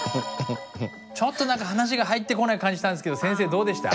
ちょっと何か話が入ってこない感じしたんですけど先生どうでした？